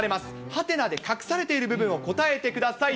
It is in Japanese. はてなで隠されている部分を答えてください。